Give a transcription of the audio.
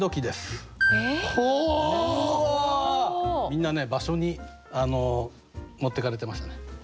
みんなね場所に持ってかれてましたね。